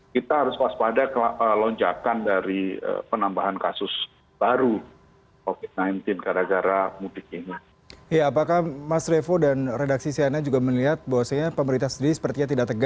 kita harus waspada kelonjakan dari penambahan kasus baru covid sembilan belas